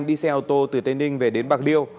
đi xe ô tô từ tây ninh về đến bạc liêu